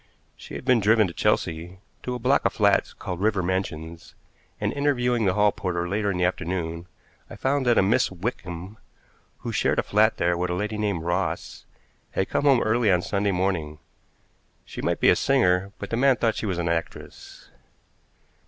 She had been driven to Chelsea, to a block of flats called River Mansions, and, interviewing the hall porter later in the afternoon, I found that a Miss Wickham, who shared a flat there with a lady named Ross, had come home early on Sunday morning. She might be a singer, but the man thought she was an actress.